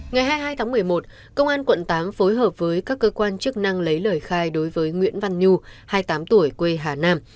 ngày hai mươi hai tháng một mươi một công an quận tám phối hợp với các cơ quan chức năng lấy lời khai đối với nguyễn văn nhu hai mươi tám tuổi quê hà nam